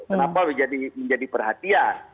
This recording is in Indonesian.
kenapa menjadi perhatian